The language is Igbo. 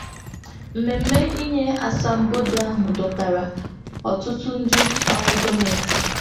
Mmemme inye asambodo ahụ dọtàrà ọtụtụ ndị ọrụ gọọmentị